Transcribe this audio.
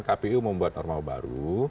kpu membuat norma baru